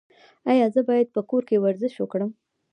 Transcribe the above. ایا زه باید په کور کې ورزش وکړم؟